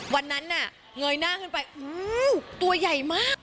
วันนั้นน่ะเงยหน้าขึ้นไปตัวใหญ่มาก